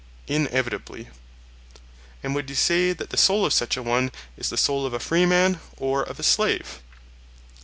Inevitably. And would you say that the soul of such an one is the soul of a freeman, or of a slave?